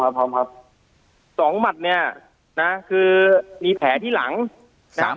ครับพร้อมครับสองหมัดเนี้ยนะคือมีแผลที่หลังสาม